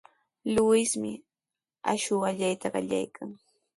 Luismi akshu allayta qallaykan.